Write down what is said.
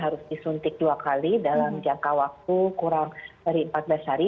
harus disuntik dua kali dalam jangka waktu kurang dari empat belas hari